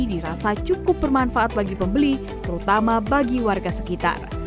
dirasa cukup bermanfaat bagi pembeli terutama bagi warga sekitar